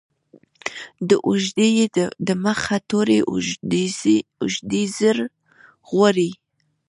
د اوږدې ې د مخه توری اوږدزير غواړي.